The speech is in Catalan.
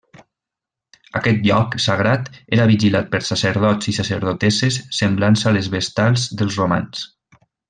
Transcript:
Aquest lloc sagrat era vigilat per sacerdots i sacerdotesses semblants a les vestals dels romans.